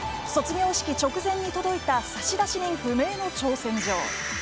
卒業式直前に届いた差出人不明の挑戦状。